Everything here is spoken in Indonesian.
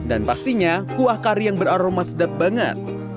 dan pastinya kuah kari yang beraroma sedap banget